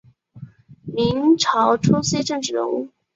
明朝初期政治人物。